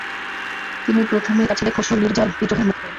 তিনি প্রথমেই তার ছেলে খসরু মিরজার বিদ্রোহের মুখে পড়েন।